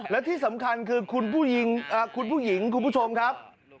และที่สำคัญคือคุณผู้หญิงคุณผู้ชมครับ